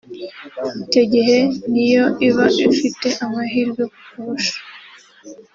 icyo gihe ni yo iba ifita amahirwe kukurusha